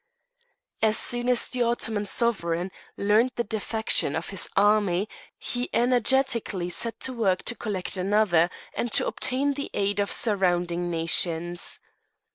As soon as the Ottoman sovereign learnt the defection of his army, he energetically set to work to collect another, and to obtain the aid of surrounding nations.